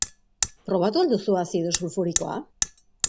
Probatu al duzu azido sulfurikoa?